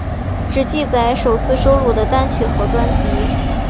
只记载首次收录的单曲和专辑。